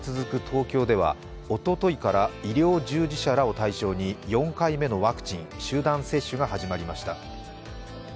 東京ではおとといから医療従事者らを対象に４回目のワクチン集団接種が始まりました。